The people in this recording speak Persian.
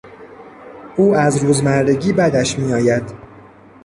او از روزمرگی بدش میآید.